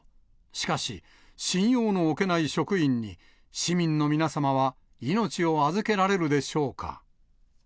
しかし、信用のおけない職員に、市民の皆様は命を預けられるでしょうか。